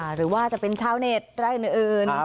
หรือว่าจะเป็นชาวเน็ตไร่อื่น